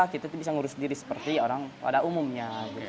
kita bisa ngurus diri seperti orang pada umumnya